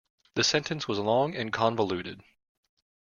The sentence was long and convoluted.